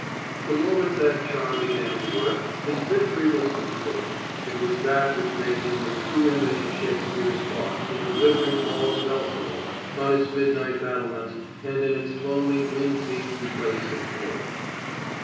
The moment that charm began to work, his victory was complete. It was that which made him the true image of Shakespeare's thought, in the glittering halls of Elsinore, on its midnight battlements, and in its lonely, wind beaten place of graves.